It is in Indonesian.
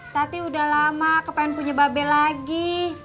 tati udah lama kepengen punya babe lagi